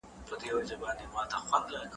د ژړېدلو سړی نه يم